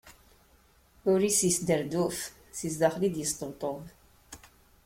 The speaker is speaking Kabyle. Ul-is yesderduf si sdaxel i d-yesṭebṭub.